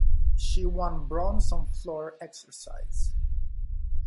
She won bronze on floor exercise.